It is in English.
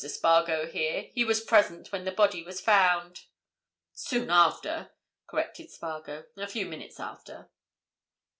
Spargo here—he was present when the body was found." "Soon after," corrected Spargo. "A few minutes after."